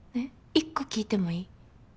１個聞いてもいい？